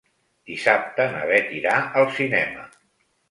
Dissabte na Bet irà al cinema.